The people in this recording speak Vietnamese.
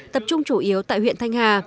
tập trung chủ yếu tại huyện thanh hà